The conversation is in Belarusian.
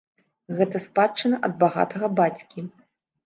Гэта спадчына ад багатага бацькі.